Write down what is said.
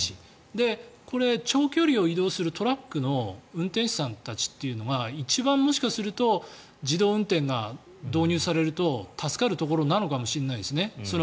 これ、長距離を移動するトラックの運転手さんたちっていうのが一番、もしかすると自動運転が導入されると助かるところなのかもしれないですね。